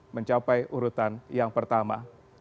mencapai urutan yang pertama